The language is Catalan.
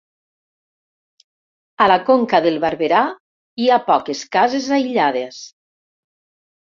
A la Conca del Barberà hi ha poques cases aïllades.